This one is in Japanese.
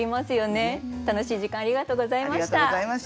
楽しい時間ありがとうございました。